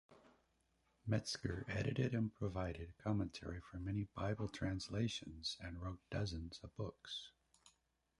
Metzger edited and provided commentary for many Bible translations and wrote dozens of books.